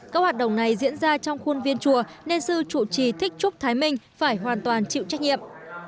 các hoạt động này diễn ra trong khuôn viên chùa nên sư chủ trì thích trúc thái minh phải hoàn toàn chịu trách nhiệm